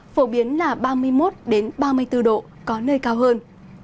phổ biến là ba mươi một ba mươi bốn độ có nơi cao hơn